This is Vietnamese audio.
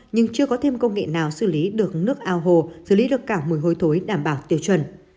nhưng chưa có thêm công nghệ nào xử lý được nước ao hồ xử lý được cả mùi hôi thối đảm bảo tiêu chuẩn